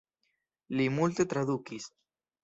Li multe tradukis.